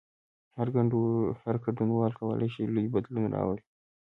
هر ګډونوال کولای شي لوی بدلون راولي.